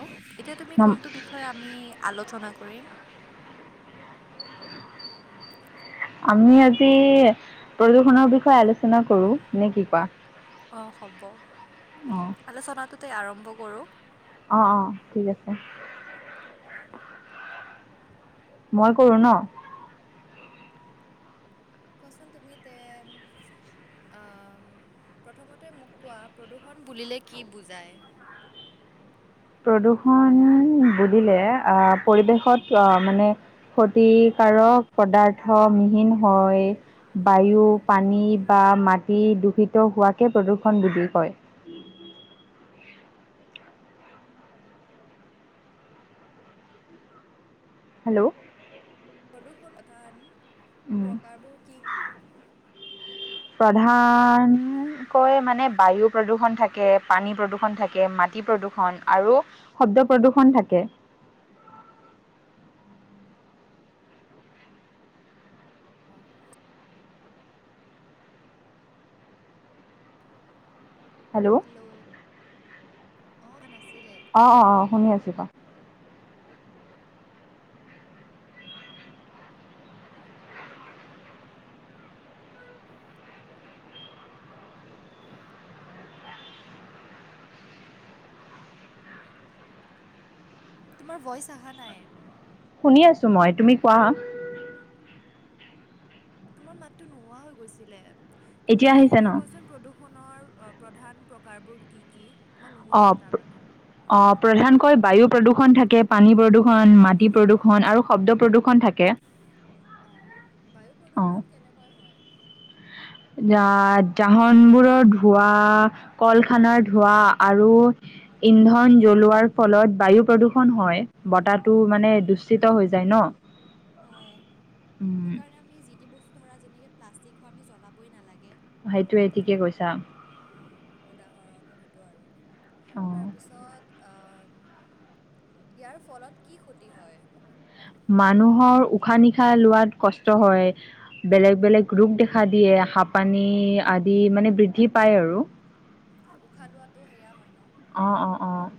অ', এতিয়া তুমি নম- কোনটো বিষয়ে আমি আলোচনা কৰিম? আমি আজি প্ৰদূষণৰ বিষয়ে আলোচনা কৰো, নে কি কোৱা? অ', হ'ব অ', আলোচনাটোতেই আৰম্ভ কৰোঁ। অ'-অ' ঠিক আছে। মই কৰো ন? কোৱাচোন তুমি তে আ, প্ৰথমতে মোক কোৱা প্ৰদূষণ বুলিলে কি বুজায়? প্ৰদূষণ বুলিলে আহ, পৰিৱেশত আহ, মানে ক্ষতিকাৰক পদাৰ্থ মিহীন হৈ বায়ু, পানী বা মাটি দূষিত হোৱাকে প্ৰদূষণ বুলি কয়। হেল্ল'? প্ৰদূষণ প্ৰধান উম, প্ৰকাৰবোৰ কি কি? প্ৰধান কৈ মানে বায়ু প্ৰদূষণ থাকে পানী প্ৰদূষণ থাকে মাটি প্ৰদূষণ আৰু শব্দ প্ৰদূষণ থাকে। অ'। হেল্ল', অ', নাছিলে। কোৱাচোন। অ'-অ'-অ' শুনি আছোি কোৱা। [unintelligible] [unintelligible] তোমাৰ ভইচ অহা নাই। শুনি আছো মই তুমি কোৱা। তোমাৰ মাতো নোহোৱা হৈ গৈছিলে, তুমি এতিয়া আহিছে এইখিনিৰ ন পৰা কোৱাচোন প্ৰদূষণৰ প্ৰধান প্ৰকাৰবোৰ কি কি? মই অ নুশুনিলো তাৰমানে। অ', প্ৰধানকৈ বায়ু প্ৰদূষণ থাকে পানী প্ৰদূৰ্ষণ, মাটি প্ৰদূৰ্ষণ আৰু শব্দ প্ৰদূষণ থাকে। অ', বায়ু অ প্ৰদূষণ কেনেকুৱা হয়? জা-জাহান বোৰৰ ধুৱা কল খানাৰ ধোঁৱা আৰু ইন্ধন জ্বলোৱাৰ ফলত বায়ু প্ৰদূষণ হয়, বতাহটো মানে দূষিত হৈ যায় ন? [inaudible] হয় উম সেইকাৰণে আমি যি টি বস্তু ধৰা যেনেকৈ প্লাষ্টিক হোৱা আমি জ্বলাবই নালাগে। সেইটোয়ে ঠিকে কৈছা। উম, উদাহৰণ সেইটো আৰু অ তাৰপিছত আ ইয়াৰ ফলত কি ক্ষতি হয়? মানুহৰ উশাহ নিশাহ লোৱাত কষ্ট হয়। বেলেগ বেলেগ ৰোগ দেখা দিয়ে হাপানী আদি মানে বৃদ্ধি পায় আৰু। [inaudible] উশাহ লোৱাাতটো সেয়া হয় ন'। অ'-অ'-অ'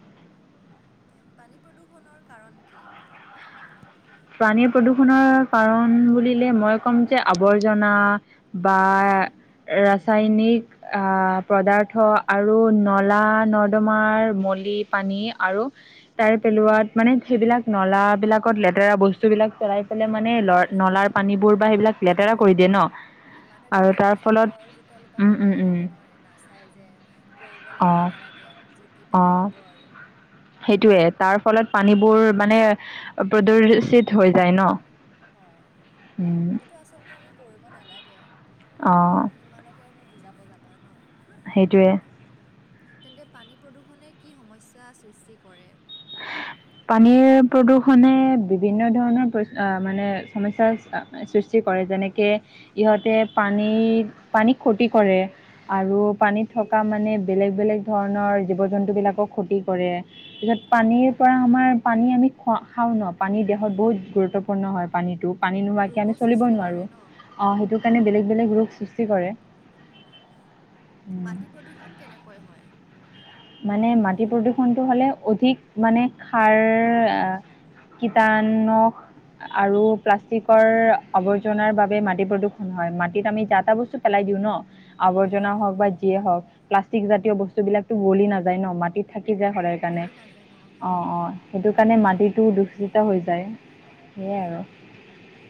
পানী প্ৰদূষণৰ কাৰণ কি? পানী প্ৰদূষণৰ কাৰণ বুলিলে মই ক'ম যে আৱৰ্জনা বা ৰাসায়নিক আ পদাৰ্থ আৰু নলা নৰ্দমাৰ মলি, পানী আৰু তাৰে পেলোৱাত মানে সেইবিলাক নলাবিলাকত লেতেৰা বস্তু বিলাক পেলাই পেলাই মানে সেইটোৱে ল-নলাৰ পানীবোৰ বা সেইবিলাক লেতেৰা মানুহে কৰি দিয়ে ন। হয়, মানে আৰু তোৰ যি তাৰ টি ফলত জাবৰ জোথৰ সোপা উম উম পেলাইয়ে উম থাকে ন, নাচাই যে কৰিব লাগে অ', নালাগে, যি টি পেলাই দিব আৰু। সেইটোৱেই, তাৰ ফলত পানীবোৰ মানে প্ৰদূষিত হৈ যায় ন। হয়, উম, সেইটো আচলতে আমি কৰিব নালাগে। অ'। কিন্তু কিমানকেনো বুজাব যাবা ন? সেইটোৱে। উম, তেন্তে পানী প্ৰদূষণে কি সমস্যাৰ সৃষ্টি কৰে? পানীৰ প্ৰদূষণে বিভিন্ন ধৰণৰ প্ৰ-অ' মানে সমস্যাৰ আ সৃষ্টি কৰে, যেনেকে ইহঁতে পানী পানীক ক্ষতি কৰে। আৰু পানীত থকা মানে বেলেগ বেলেগ ধৰণৰ জীৱ জন্তুবিলাকক ক্ষতি কৰে। পিছত হয় পানীৰ পৰা আমাৰ পানী আমি খোৱা-খাওঁ ন, পানী দেহত বহুত গুৰুত্বপূৰ্ণ হয় পানীটো। পানী নোহোৱাকৈ ৰোগো আমি চলিবই সৃষ্টি কৰে নোৱাৰোঁ, ন অ সেইটো কাৰণে বেলেগ বেলেগ ৰোগ সৃষ্টি কৰে। অ', উম। মাটি প্ৰদূষণ কেনেকৈ হয়? মানে মাটি প্ৰদূষণটো হ'লে অধিক মানে খাৰ কীটানুক আৰু প্লাষ্টিকৰ আৱৰ্জনাৰ বাবে মাটি প্ৰদূষণ হয়, মাটিত আমি যা টা বস্তু পেলাই দিওঁ ন আৱৰ্জনা হয় হওঁক বা যিয়ে হওঁক, প্লাষ্টিক জাতীয় বস্তু বিলাকতো গলি নাযায় ন, মাটিত থাকি যায় হয় সদায় কাৰণে, মিলি নাযায় ন হা অ' অ', সেইটোকাৰণে মাটিটো দূষিত হৈ যায়। সেয়াই আৰু উম,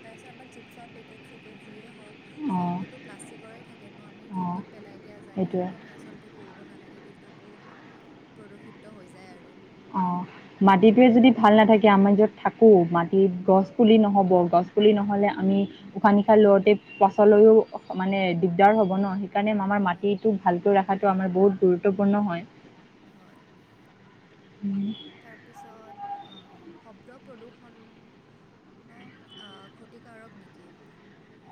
তাৰ পিছত আমাৰ চিপছৰ পেকেট-চেকেট যিয়ে হওঁক অঁ চবটোতো প্লাষ্টিকৰেই থাকে ন, আমি য'ত অঁ ত'ত পেলাই দিয়া যায়, সেইটোৱে যোনটো আমি আচলতে কৰিব নালাগে, কিন্তু বহুত প্ৰদূষিত হৈ যায় আৰু। অ', মাটিটোৱে যদি উম ভাল নাথাকে আমি য'ত থাক কোঁ, মাটিত গছ পুলি নহ'ব, গছ পুলি নহ'লে আমি উশাহ নিশাহ লওঁতে পাছলৈও মানে দিগদাৰ হ'ব ন, সেই কাৰণে আমাৰ হয় মাটিটোক ভালকৈ ৰখাটো হয় আমাৰ বহুত গুৰুত্বপূৰ্ণ হয়। হয়। উম তাৰপিছত, অ', শব্দ প্ৰদূষণ ণো অ', ক্ষতিকাৰক নেকি?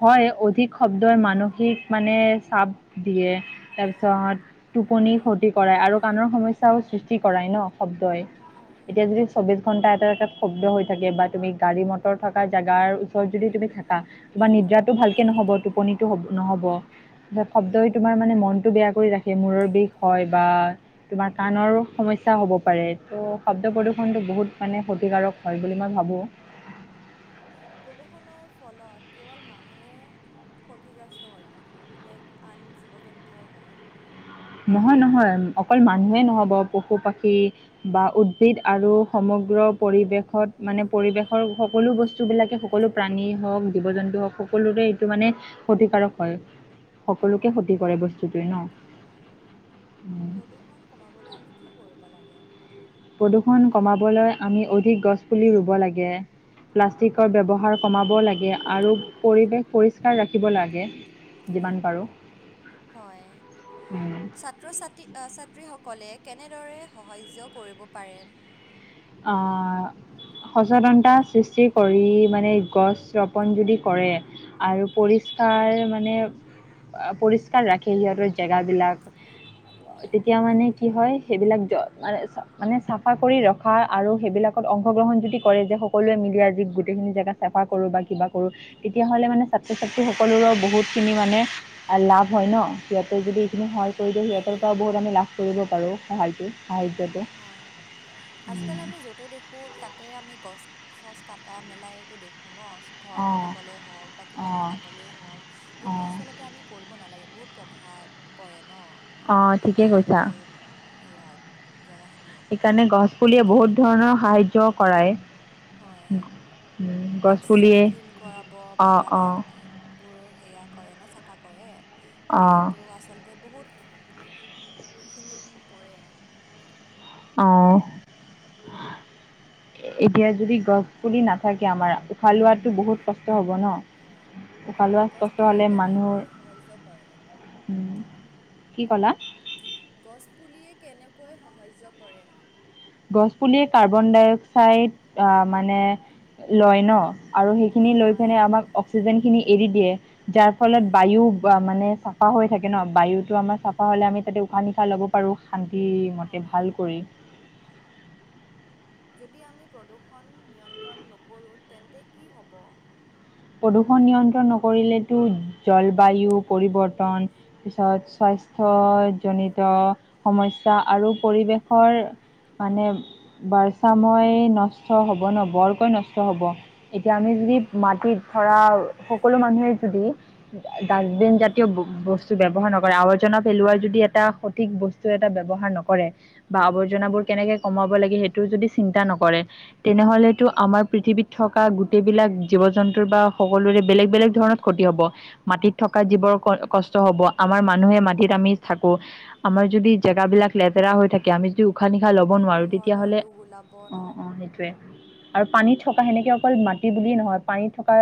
হয়, অধিক শব্দই মানসিক মানে চাপ দিয়ে। তাৰপিছত, টোপনি ক্ষতি কৰাই আৰু কাণৰ সমস্যাও সৃষ্টি কৰাই ন শব্দই। হয়, এতিয়া যদি চৌবিছ ঘণ্টা এটা জেগাত শব্দ হৈ থাকে বা তুমি গাড়ী মটৰ থকা জেগাৰ ওচৰত যদি তুমি থাকা তোমাৰ নিদ্ৰাটো ভালকে নহ'ব, টোপনিটো হ'ব-নহ'ব, শব্দই হয়, তোমাৰ মানে মনটো বেয়া কৰি ৰাখ খে, মূৰৰ বিষ হয় বা তোমাৰ কাণৰ সমস্যা হ'ব পাৰে। ত' শব্দ হয়, প্ৰদূষণটো বহুত মানে ক্ষতিকাৰক হয় বুলি মই ভাৱোঁ। হয়, প্ৰদূষণৰ ফলত কেৱল মানুহে ক্ষতিগ্ৰস্ত হয় নেকি নে আন জীৱ জন্তুও হয়? নহয়-নহয়, অকল মানুহেই নহ'ব পশু পাখী বা উদ্ভিদ আৰু সমগ্ৰ পৰিৱেশত মানে পৰিৱেশৰ সকলো বস্তুবিলাকে সু সকলো প্ৰাণী হওক, জীৱ জন্তু হওক, সকলোৰে এইটো মানে ক্ষতিকাৰক হয়। সকলোকে ক্ষতি কৰে বস্তুটোৱে ন'? গে, উম। প্ৰদূষণ কমাবলৈ আমি কি কৰিব লাগে? প্ৰদূষণ কমাবলৈ আমি অধিক গছপুলি ৰুব লাগে। প্লাষ্টিকৰ ব্যৱহাৰ কমাব লাগে আৰু পৰিৱেশ পৰিষ্কাৰ ৰাখিব লাগে যিমান পাৰো। হয়। ছাত্ৰ- ছাত্ৰী আঁ ছাত্ৰীসকলে কেনেদৰে সহাৰ্য কৰিব পাৰে? অ'। সচেতনতা সৃষ্টি কৰি মানে গছ ৰোপন যদি কৰে আৰু পৰিষ্কাৰ মানে আ পৰিষ কাৰ ৰাখে সিহঁতৰ জেগাবিলাক হয়, তেতিয়া মানে কি হয় সেইবিলাক জ মানে চ মানে চাফা কৰি হয় আৰু সেইবিলাকত অংশগ্ৰহণ যদি কৰে যে স কলোৱে মিলি আজি গোটেইখিনি জেগা চাফা কৰো বা কিবা কৰো তেতিয়াহলে মানে ছাত্ৰ - ছাত্ৰীসকলৰো বহুতখিনি মানে আৰু লাভ হয় ন', সিহঁতে যদি এইখিনি সহায় হয়, কৰি দিয়ে সিহঁতৰ ত বহুত আমি লাভ কৰিব পাৰোঁ সহায়টো, সাহাৰ্য্যটো। হয়, আজিকালি আমি য'তে দেখোঁ তাতে আমি গছ চচ কাটা মেলা এইটো দেখো ন, ঘৰ অঁ বনাবলে হওক বা কিবা অঁ বনাবলে হওক যোনটো অঁ আচলতে আমি কৰিব নালাগে, বহুত প্ৰভাৱ পৰে ন'। ঠিকে আমাৰ কৈছা এই সেয়াত জাগাখিনিত। সেইকাৰণে গছ পুলিয়ে বহুত ধৰণৰ সাহাৰ্য্য কৰায়। হয় উম, গছ অক্সিজেন পুলিয়ে ক্লিন কৰাব অঁ বতা বা অঁ আ বোৰ সেয়া কৰে ন' চাফা কৰে, ত' অঁ সেইটো আচলতে বহুত সেইখিনি পৰে। অহ। উম উম'। এতিয়া যদি গছ পুলি নাথাকে আমাৰ উশাহ লোৱাতো বহুত কষ্ট হব ন, হয় ' উশাহ লোৱাত গছ কষ্ট পুলিয়ে হলে মানুহ কেনেকৈ সাহাৰ্য কৰে উম, ' কি কলা? গছপুলিয়ে কেনেকৈ সহাৰ্য্য কৰে? গছ পুলিয়ে কাৰ্বন ডাই অক্সাইড আহ' মানে লয় ন'। আৰু সেইখিনি লৈ হয়, পিনে আমাক অক্সিজেনখিনি এৰি দিয়ে যাৰ ফলত হয়, বায়ু যা মানে চাফা হৈ থাকে ন', বায়ুতো আমাৰ চাফা হ'লে আমি তাতে উশাহ নিশাহ ল'ব পাৰোঁ, শান্তিমতে হয়। ভাল কৰি। যদি আমি প্ৰদূষণ নিয়ন্ত্ৰণ নকৰোঁ তেন্তে কি হ'ব? প্ৰদূষণ নিয়ন্ত্ৰণ নকৰিলেতো জলবায়ু পৰিৱৰ্তন পিছত স্বাস্থ্যজনিত সমস্যা আৰু পৰিৱেশৰ মানে বাৰছাময় নষ্ট হ'ব ন', বৰকৈ নষ্ট হ'ব। এতিয়া আমি যদি মাটিত ধৰা, সকলো মানুহে যদি ডা ডাষ্টবিন জাতীয় ব বস্তু ব্যৱহাৰ নকৰে আৱৰ্জনা পেলোৱাৰ যদি এটা সঠিক বস্তু এটা ব্যৱহাৰ নকৰে বা হয়, আৱৰ্জনাবোৰ কেনেকে কমাব লাগে সেইটো যদি চিন্তা নকৰে। তেনেহলেতো আমাৰ পৃথিৱীত থকা গোটেইবিলাক জীৱ জন্তুৰ বা সকলোৰে বেলেগ বেলেগ ধৰণৰ ক্ষতি হ'ব। মাটিত থকা হয়। জীৱৰ কষ্ট হ'ব, আমাৰ মানুহে মাটিত আমি থাকো আমাৰ যদি জেগাবিলাক লেতেৰা হৈ থাকে আমিতো উশাহ নিশাহ ল'ব নোৱাৰো নতুন ধৰণৰ তেতিয়াহ'লে। ৰোগ ওলাব অ ন? অ, সেইটোৱে। আৰু পানীত থকা সেনেকে অকল মাটি বুলিয়েই নহয় পানীত থকা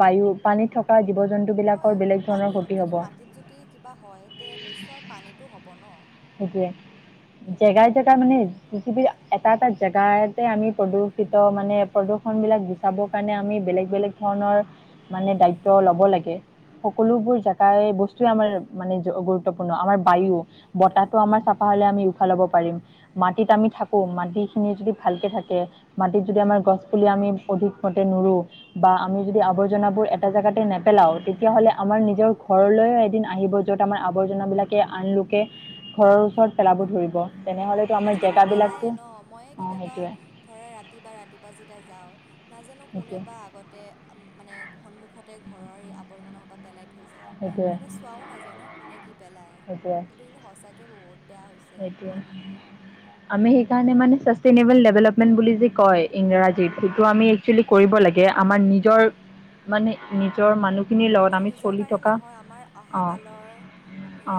বায়ু পানীত থকা জীৱ জন্তু বিলাকৰ হয় বেলেগ ধৰণৰ পানী ক্ষতি যদি হব মাটিত যদি কিবা হয় তে নিশ্চয় পানীটো হ'ব ন'। সেইটোৱে। উম। এতিয়া মানে পৃথিৱী এটা এটা জেগাতে আমি প্ৰদূষিত মানে প্ৰদূষণ বিলাক চাবৰ কাৰণে আমি বেলেগ বেলেগ ধৰণৰ মানে দায়িত্ব ল'ব লাগে। সকলোবোৰ জেগাই বস্তুৱেই আমাৰ মানে গুৰুত্বপূৰ্ণ আমাৰ বায়ু বতাহটো আমাৰ চাফা হ'লে আমি উশাহ ল'ব পাৰিম। মাটিত আমি থাকো, মাটি খিনি যদি ভালকে থাকে। মাটিত যদি আমাৰ গছ পুলি আমি অধিক মতে নুৰু। বা আমি যদি আৱৰ্জনাবোৰ এটা জেগাতে নেপেলাও তেতিয়াহ'লে আমাৰ নিজৰ ঘৰলৈও এদিন আহিব। য'ত আমাৰ আৱৰ্জনাবিলাকে আন লোকে ঘৰৰ ওচৰত পেলাব ধৰিব। তেনেহ'লে আজিকালিতো পেলায়ে ন' মইয়ে কেতিয়াবা সেইটোৱে ধৰা ৰাতি বা ৰাতিপুৱা যেতিয়া যাওঁ নাজানো কোনে সেইটোৱে বা আগ তে মানে সন্মুখতে ঘৰৰ আৱৰ্জনা সোপা পেলাই থৈ যায় সেইটোৱে কিন্তু, এ চোৱাও নাযায় ন' কোনে কি পেলায় সেইটোৱে এইটো কিন্তু সঁচাকে বহুত বেয়া হৈ ছে সেইটোৱে মানুহৰ। আমি সেইকাৰণে মানে চে ষ্টেনেবল ডেভেলপমেণ্ট বুলি যি কয় ইংৰাজীত সেইটো আমি একচুৱেলি কৰিব লাগে আমাৰ নিজৰ মানে নিজৰ মানুহ অকল নিজৰ কাৰণে নহয়, আমাৰ আহা অঁ কালৰ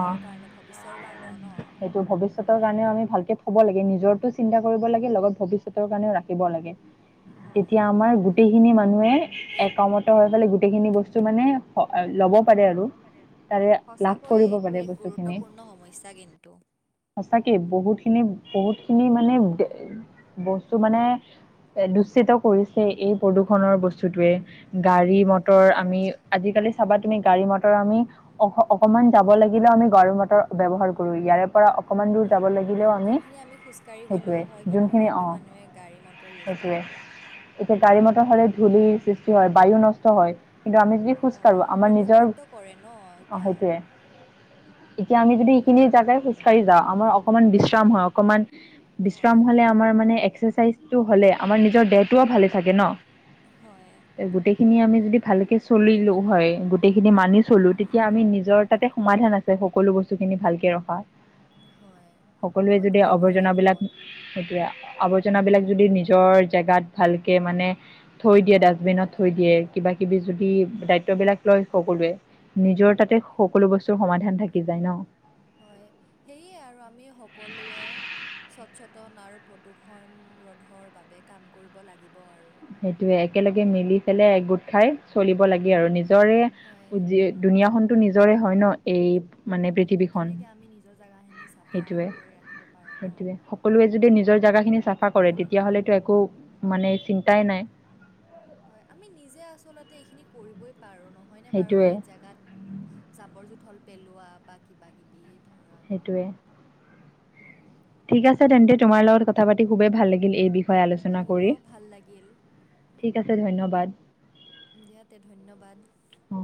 অঁ কাৰণে। ভৱিষ্যৰ কাৰণেও ন'। সেইটো ভৱিষ্যতৰ কাৰণেও আমি ভালকে থ'ব লাগে, নিজো চিন্তা কৰিব লাগে লগত ভৱিষ্যতৰ কাৰণেও ৰাখিব লাগে। হয় তেতিয়া আমাৰ গোটেইখিনি মানুহে একমত হৈ পেলে গোটেইখিনি বস্তু মানে অ হয় ল'ব পাৰে আৰু তাৰে লাভ সঁচাকৈয়ে কৰিব এইটো পাৰে এক বস্তুখিনি। গুৰুত্বপূৰ্ণ সমস্যা কিন্তু সঁচাকে বহুত খিনি বহুত খিনি মানে বস্তু মানে দূশিত কৰিছে এই প্ৰদূৰ্ষণৰ বস্তুটোৱে। গাড়ী, মটৰ হয় আমি আজিকালি চাবা তুমি গাড়ী মটৰ আমি অক অকমান যাব লাগিলেও আমি গাড়ী মটৰ ব্যৱহাৰ কৰো ইয়াৰে পৰা অকণমান দূৰ হয়, যাব লাগিলেও যোনখিনি আমি খোজকাঢ়ি সেইটোৱে গ'লেও হয় কিন্তু যোনখিনি অ সেইখিনিতো মানুহে গাড়ী মটৰ ইউজ সেইটোৱে কৰিব। এতিয়া গাড়ী মটৰ হলে ধূলিৰ সৃষ্টি হয়, বায়ু নষ্ট হয়। কিন্তু আমি যদি খোজ হয় কাঢ়ো আমাৰ নিজৰ প্ৰদূষিত কৰে ন অ এতিয়া। সেইটোৱে এতিয়া আমি যদি এইখিনি জেগাই খোজকাঢ়ি যাওঁ। আমাৰ অকমান বিশ্ৰাম হয়, অকমান হয় বিশ্ৰাম হলে আমাৰ মানে এক্সাৰচাইজ টো হলে আমাৰ নিজৰ দেহটোও ভালে থাকে ন হয় গোটেই খিনি আমি যদি ভালকে চলিলো হয়, গোটেইখিনি মানি চলো তেতিয়া আমি নিজৰ তাতে সমাধান আ ছে সকলো বস্তু খিনি ভালকে ৰখা। হয়। সকলোৱে মই যদি তোমাৰ কথাত আৱৰ্জনা বিলাক একমত সেইটোৱে আৱৰ্জনা বিলাক উম, যদি নিজে নিজৰ জেগাত ভালকে মানে থৈ দিয়ে ডাষ্টবিনত থৈ দিয়ে কিবা কিবি যদি দায়িত্ব বিলাক লয় সকলোৱে। নিজৰ তাতে সকলো বস্তুৰ সমাধান থাকি যায় ন। হয় সেয়ে আৰু আমি সকলোৱে সচেতন আৰু প্ৰদূৰ্ষণ ৰোধৰ বাবে কাম কৰিব লাগিব আৰু। সেইটোয়ে একেলগে মিলি পেলাই এক গোট খাই চলিব লাগে আৰু নিজৰে হয় দুুনীয়া খনতো নিজৰে হয় ন' এই মানে সেইটোৱে পৃথিৱীখন কেনেকৈ আমি নিজৰ জেগাখিনি চাফা সেইটোৱে কৰি ৰাখিব পাৰোঁ সেইটোৱে ন'। সকলোৱে যদি নিজৰ জেগাখিনি চাফা কৰে পৃথিৱীখন তেতিয়াহ'লেতো একো মানে চিন্তাই নাই। হয় আমি নিজে আচলতে এইখিনি কৰিবই পাৰোঁ নহয়নে বাৰু? সেইটোৱে এই জেগাত জাবৰ জোথৰ হ'ল পেলোৱা বা কিবা কিবি। ধৰা সেইটোৱে। [unintelligible] ঠিক আছে তেন্তে তোমাৰ লগত কথা পাতি খুবেই ভাল লাগিল এই বিষয়ে আলোচনা কৰি। মোৰো ভাল লাগিল ঠিক আছে ধন্যবাদ। দিয়া তে ধন্যবাদ। অঁ